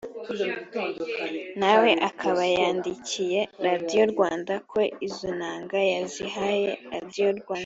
nawe akaba yandikiye radiyo Rwanda ko izo nanga yazihaye Radiyo Rwanda